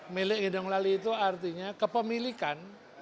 melek gendong lali itu artinya kepemilikan